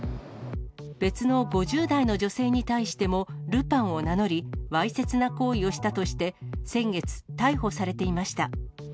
別の５０代の女性に対してもルパンを名乗り、わいせつな行為をしたとして先月、逮捕されていました。